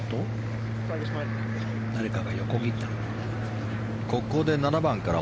誰かが横切ったのかな。